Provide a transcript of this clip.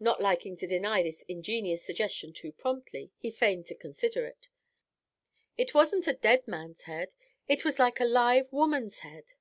Not liking to deny this ingenious suggestion too promptly, he feigned to consider it. "It wasn't a dead man's head; it was like a live woman's head."